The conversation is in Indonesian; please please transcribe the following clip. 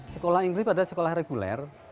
sekolah inklusif adalah sekolah reguler